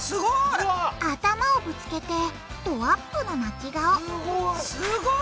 頭をぶつけてドアップの泣き顔すごい！